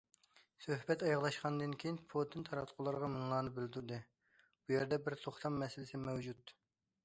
سۆھبەت ئاياغلاشقاندىن كېيىن پۇتىن تاراتقۇلارغا مۇنۇلارنى بىلدۈردى: بۇ يەردە بىر توختام مەسىلىسى مەۋجۇت.